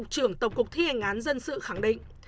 cục trưởng tổng cục thi ngành án dân sự khẳng định